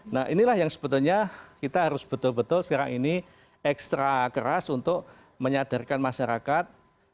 nah inilah yang sebetulnya kita harus betul betul sekarang ini ekstra keras untuk menyadarkan masyarakat